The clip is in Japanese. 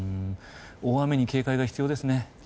大雨に警戒が必要ですね。